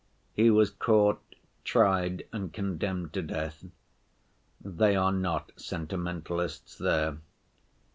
He was caught, tried, and condemned to death. They are not sentimentalists there.